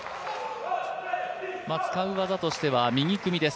使う技としては右組みです。